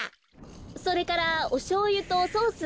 それからおしょうゆとソース